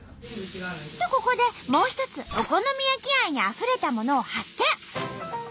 とここでもう一つお好み焼き愛にあふれたものを発見。